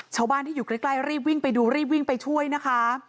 ชาวบ้านที่อยู่ใกล้รีบวิ่งไปดูรีบวิ่งไปช่วยนะคะ